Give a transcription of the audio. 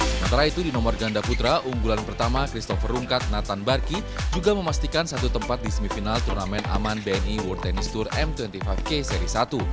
sementara itu di nomor ganda putra unggulan pertama christopher rungkat nathan barki juga memastikan satu tempat di semifinal turnamen aman bni world tennis tour m dua puluh lima k seri satu